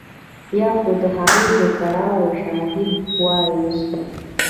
یا هم د هغه د کړاو شاهد واوسو.